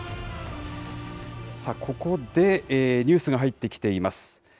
さあ、ここでニュースが入ってきています。